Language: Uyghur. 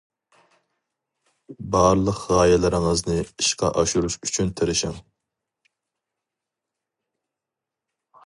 بارلىق غايىلىرىڭىزنى ئىشقا ئاشۇرۇش ئۈچۈن تىرىشىڭ.